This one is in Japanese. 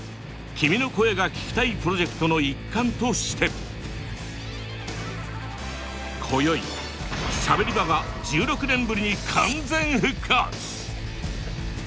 「君の声が聴きたい」プロジェクトの一環として今宵「しゃべり場」が１６年ぶりに完全復活！